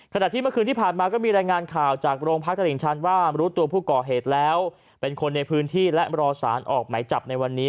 ขณะที่เมื่อคืนที่ผ่านมาก็มีรายงานข่าวจากโรงพักตลิ่งชันว่ารู้ตัวผู้ก่อเหตุแล้วเป็นคนในพื้นที่และรอสารออกไหมจับในวันนี้